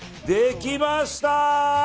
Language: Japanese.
できました！